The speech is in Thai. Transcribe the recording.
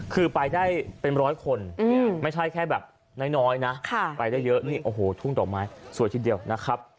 คือไปได้เป็นร้อยคนไม่ใช่แค่แบบน้อยนะไปได้เยอะนี่โอ้โหทุ่งดอกไม้สวยทีเดียวนะครับ